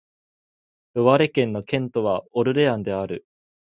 ロワレ県の県都はオルレアンである